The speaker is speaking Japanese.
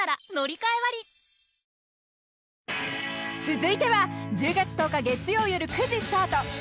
［続いては１０月１０日月曜夜９時スタート］